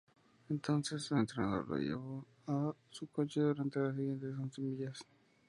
Entonces, su entrenador lo llevó en su coche durante las siguientes once millas.